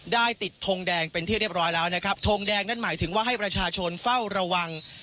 ได้ติดทงแดงเป็นที่เรียบร้อยแล้วนะครับทงแดงนั่นหมายถึงว่าให้ประชาชนเฝ้าระวัง